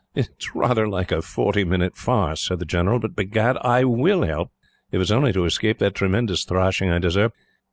"It's rather like a forty minute farce," said the General, "but begad, I WILL help, if it's only to escape that tremendous thrashing I deserved.